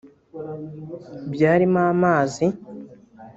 byarimo amazi